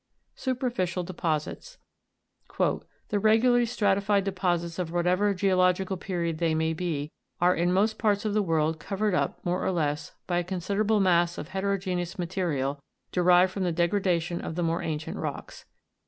SUPERFICIAL DEPOSITS. " The regularly stratified deposits, of whatever geological period they may be, are in most parts of the world covered up, more or less, by a con siderable mass of heterogeneous material derived from the degradation of the more ancient rocks.